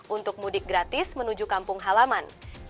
untuk mudik gratis menuju kampung halaman